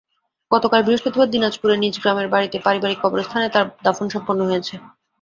গতকাল বৃহস্পতিবার দিনাজপুরে নিজ গ্রামের বাড়িতে পারিবারিক কবরস্থানে তাঁর দাফন সম্পন্ন হয়েছে।